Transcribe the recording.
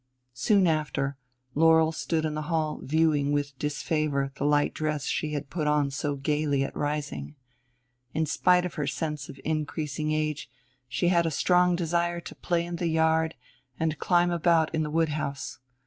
Soon after, Laurel stood in the hall viewing with disfavor the light dress she had put on so gayly at rising. In spite of her sense of increasing age she had a strong desire to play in the yard and climb about in the woodhouse.